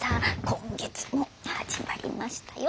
今月も始まりましたよ